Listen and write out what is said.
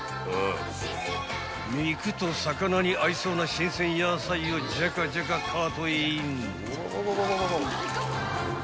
［肉と魚に合いそうな新鮮野菜をじゃかじゃかカートへイン］